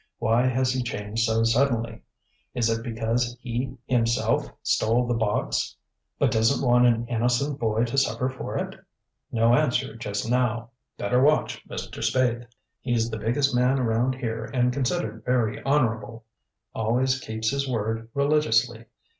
Why has he changed so suddenly? Is it because he himself stole the box but doesn't want an innocent boy to suffer for it? No answer just now. Better watch Mr. Spaythe. He's the biggest man around here and considered very honorable. Always keeps his word religiously.